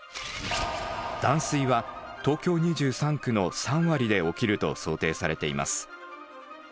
断水は東京２３区の３割で起きると想定されています。